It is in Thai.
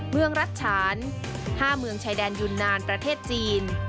รัฐฉาน๕เมืองชายแดนยุนนานประเทศจีน